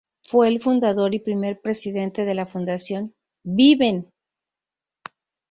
Fue el fundador y primer presidente de la Fundación "¡Viven!